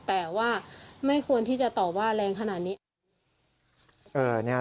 แต่ว่าไม่ควรที่จะตอบว่าแรงขนาดนี้